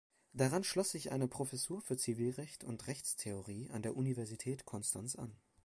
Daran schloss sich eine Professur für Zivilrecht und Rechtstheorie an der Universität Konstanz an.